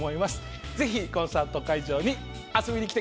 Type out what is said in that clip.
ぜひコンサート会場に遊びに来てください！